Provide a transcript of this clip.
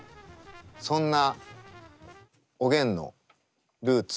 そんなおげんのルーツ